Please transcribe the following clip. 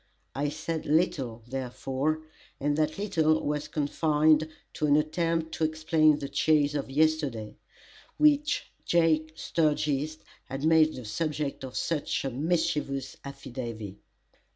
I said little, therefore, and that little was confined to an attempt to explain the chase of yesterday, which Jake Sturgis had made the subject of such a mischievous "affidavy."